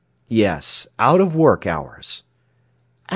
"Yes; out of work hours."